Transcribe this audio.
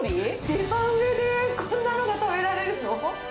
デパ上でこんなのが食べられるの？